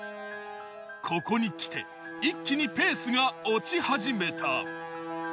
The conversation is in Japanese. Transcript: ここにきて一気にペースが落ち始めた。